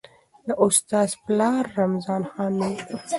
د استاد پلار رمضان خان نومېده.